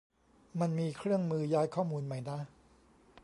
มันมีเครื่องมือย้ายข้อมูลไหมนะ